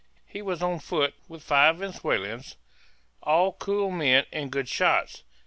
He was on foot, with five Venezuelans, all cool men and good shots.